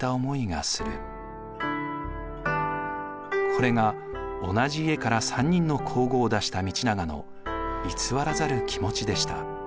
これが同じ家から３人の皇后を出した道長の偽らざる気持ちでした。